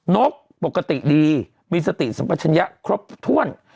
นกปกติดีมีสติสัมปัชญะครบถ้วน